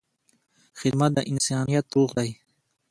خدمت د انسانیت روح دی.